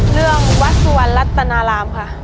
เรื่องวัดสุวรรณรัตนารามค่ะ